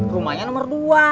rumahnya nomor dua